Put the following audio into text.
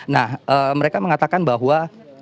nah mereka mengatakan bahwa